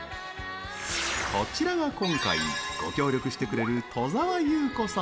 こちらが今回ご協力してくれる戸沢祐子さん。